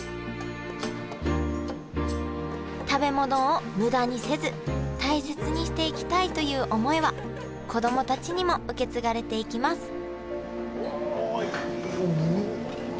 食べ物を無駄にせず大切にしていきたいという思いは子供たちにも受け継がれていきます